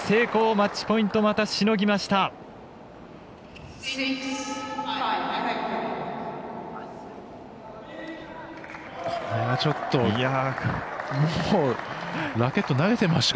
マッチポイントまたしのぎました。